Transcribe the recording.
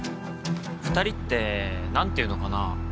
二人ってなんていうのかな